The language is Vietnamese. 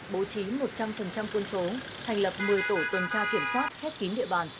bố trí một trăm linh quân số thành lập một mươi tổ tuần tra kiểm soát khép kín địa bàn